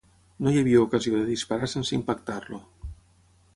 No hi havia ocasió de disparar sense impactar-lo.